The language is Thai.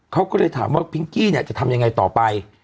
เขาก็เลยถามว่าพิงกี้เนี่ยจะทำยังไงต่อไป